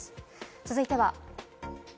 続いては。